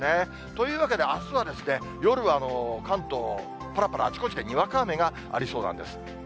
というわけで、あすは夜は関東、ぱらぱら、あちこちでにわか雨がありそうなんです。